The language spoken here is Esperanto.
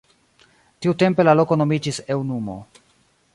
Tiutempe la loko nomiĝis Eŭnumo.